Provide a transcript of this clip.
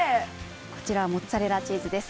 こちら、モッツァレラチーズです。